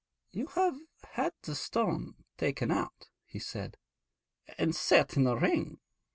'You have had the stone taken out,' he said, 'and set in a ring.'